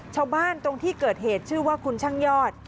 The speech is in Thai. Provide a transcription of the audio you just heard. ตรงที่เกิดเหตุชื่อว่าคุณช่างยอด